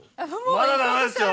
まだダメですよ。